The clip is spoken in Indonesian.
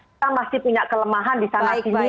kita masih punya kelemahan di sana sini